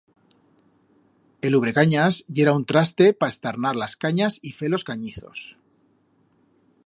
El ubrecanyas yera un traste pa estarnar las canyas y fer los canyizos.